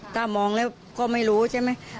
ถ้ามองแล้วก็ไม่รู้ใช่ไหม